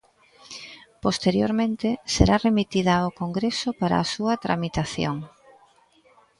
Posteriormente será remitida ao Congreso para a súa tramitación.